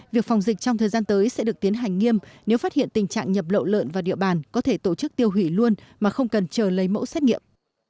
việc phòng dịch trong thời gian tới sẽ được tiến hành nghiêm nếu phát hiện tình trạng nhập lậu lợn vào địa bàn có thể tổ chức tiêu hủy luôn mà không cần chờ lấy mẫu xét nghiệm